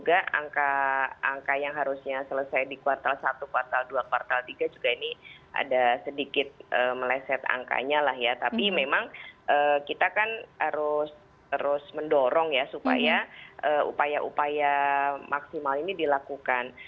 ada sedikit meleset angkanya lah ya tapi memang kita kan harus mendorong ya supaya upaya upaya maksimal ini dilakukan